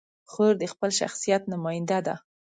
خور د خپل شخصیت نماینده ده.